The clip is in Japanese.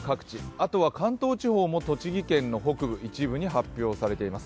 あとは関東地方も栃木県の北部一部に発表されています。